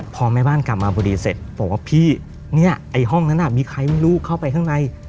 พอแม่บ้านกลับมาพอดีเสร็จบอกว่าพี่เนี่ยไอ้ห้องนั้นมีใครไม่รู้เข้าไปข้างใน